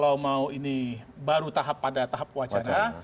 kalau mau ini baru tahap pada tahap wacana